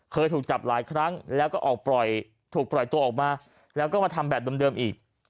เคยถูกจับหลายครั้งแล้วก็ออกถูกปล่อยตัวออกมาแล้วก็มาทำแบบเดิมอีก